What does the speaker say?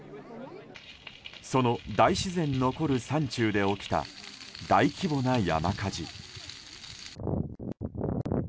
その大自然残る山中で起きた大規模な山火事。